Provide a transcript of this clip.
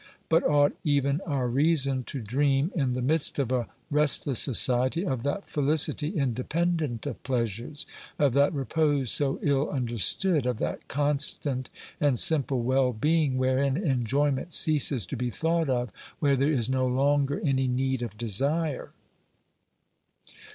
But ought even our reason to dream, in the midst of a restless society, of that felicity independent of pleasures, of that repose so ill understood, of that constant and simple well being wherein enjoyment ceases to be thought of, where there is no longer any need of desire